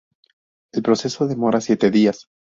El proceso demora siete días.